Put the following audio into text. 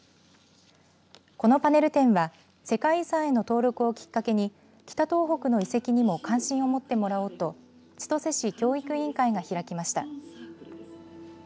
このパネル展は世界遺産への登録をきっかけに北東北の遺跡にも関心を持ってもらおうと千歳市教育委員会が開きました。